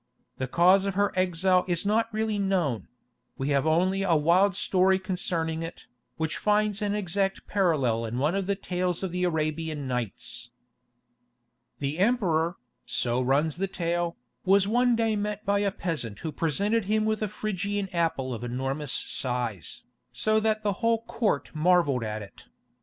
The cause of her exile is not really known: we have only a wild story concerning it, which finds an exact parallel in one of the tales of the "Arabian Nights." "The emperor," so runs the tale, "was one day met by a peasant who presented him with a Phrygian apple of enormous size, so that the whole Court marvelled at it.